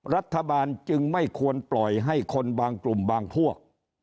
รัฐบาลจึงไม่ควรปล่อยให้คนบางกลุ่มบางพวก